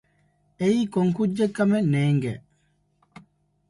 އެއީ ކޮން ކުއްޖެއްކަމެއް ނޭގެ